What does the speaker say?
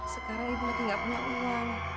sekarang ibu lagi gak punya uang